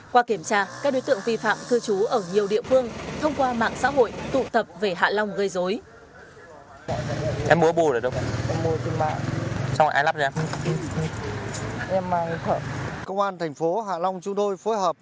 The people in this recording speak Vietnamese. qua kiểm tra các đối tượng vi phạm cư trú ở nhiều địa phương thông qua mạng xã hội tụ tập về hạ long gây dối